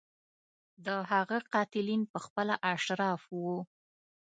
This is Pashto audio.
د هغه قاتلین په خپله اشراف وو.